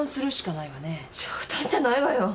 冗談じゃないわよ。